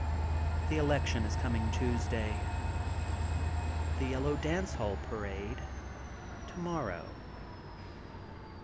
<^The election is coming Tuesday, the Tel low Dance Hall Parade, tomorrow.